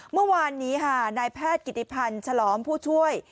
เมื่อวานนี้ค่ะนายแพทย์กิติพันธ์ฉลอมผู้ช่วย